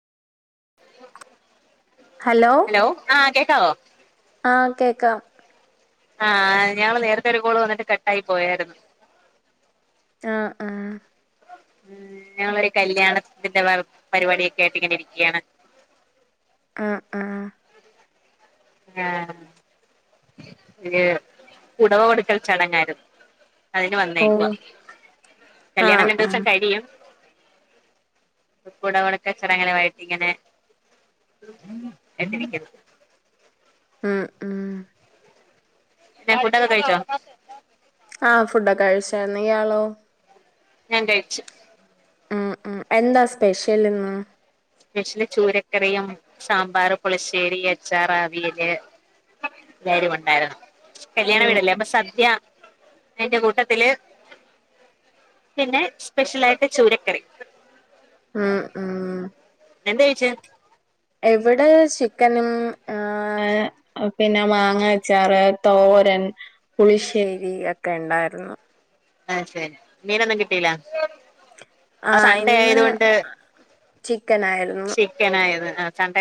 hello ആഹ് കേക്കാവോ ആഹ് കേക്കാം ആഹ് ഞങ്ങള് നേരത്തെ ഒരു കോള് വന്നിട്ട് കട്ടായി പോയാരുന്നു ആഹ് ആഹ് ഉം ഞങ്ങളൊരു കല്യാണത്തിന്റെ വർ പരിപാടിയൊക്കെ ആയിട്ട് ഇങ്ങനെ ഇരിക്കയാണ് ആഹ് ആഹ് ആഹ് പുടവ കൊടുക്കൽ ചടങ്ങായിരുന്നു അതിന് ഓ വന്നേക്കുവാ കല്യാണം ആഹ് രണ്ട് ദിവസം ആഹ് കഴിയും പുടവ കൊടുക്കൽ ചടങ്ങുകളുമായിട്ട് ഇങ്ങനെ ഉം എത്തിയിരിക്കുന്നു ആഹ് ആഹ് പിന്നെ ഫുഡോക്കെ കഴിച്ചോ ആഹ് ഫുഡൊക്കെ കഴിച്ചാരുന്നു ഇയാളോ ഞാൻ കഴിച്ചു ഉം ഉം എന്താ സ്പെഷ്യൽ ഇന്ന് സ്പെഷ്യല് ചൂരക്കറിയും സാമ്പാറ് പുളിശ്ശേരി അച്ചാറ് അവിയല് എല്ലാരും ഉണ്ടായിരുന്നു കല്യാണ ഉം വീടല്ലേ അപ്പൊ സദ്യ എന്റെ കൂട്ടത്തില് പിന്നെ സ്പെഷ്യല ആായിട്ട് ചൂരക്കറി ഉം ഉ എന്ത് കഴിച്ച് എവിടെ ചന പിന്നെ മാങ്ങച്ചാർ തോരൻ പുളിശ്ശേരി ഒക്കെ ഉണ്ട ആായിരുന്നു ആഹ ശരി മീനൊന്നും കിട്ടീല ആ ആഹ് സണ്ട ഇന്ന് ആയത കൊൊണ്ട് ചിക്കൻ ആയിരുന്നു ചിക്കൻ ആയത് ആ